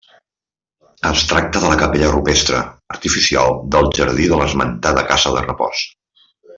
Es tracta de la capella rupestre -artificial- del jardí de l'esmentada casa de repòs.